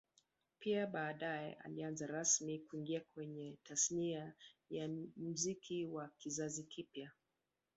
Pia baadae alianza rasmi kuingia kwenye Tasnia ya Muziki wa kizazi kipya